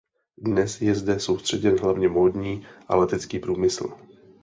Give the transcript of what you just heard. Dnes je zde soustředěn hlavně módní a letecký průmysl.